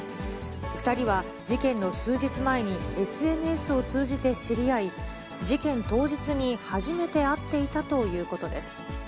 ２人は、事件の数日前にＳＮＳを通じて知り合い、事件当日に初めて会っていたということです。